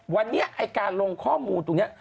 วันนี้ไอ้การลงข้อมูลตรงนี้